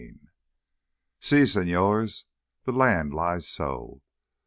12 "See, señores, the land lies so...."